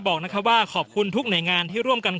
พี่น๊ะพูดโทชนตรงนี้